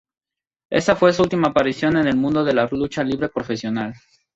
Ésa fue su última aparición en el mundo de la lucha libre profesional.